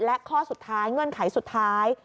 และข้อสุดท้ายเงื่อนไขสุดท้าย